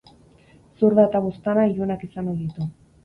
Zurda eta buztana ilunak izan ohi ditu.